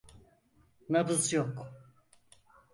Nabız yok.